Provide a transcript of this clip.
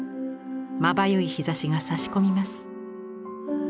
まばゆい日ざしがさし込みます。